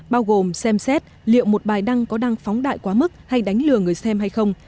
bao gồm xem xét liệu một bài đăng có đăng phóng đại quá mức hay đánh lừa người xem hay không